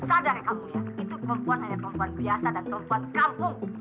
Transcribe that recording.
sadari kamu ya itu perempuan hanya perempuan biasa dan perempuan kampung